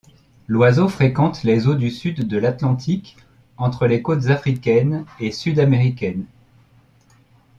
L'oiseau fréquente les eaux du sud de l'Atlantique, entre les côtes africaines et sud-américaines.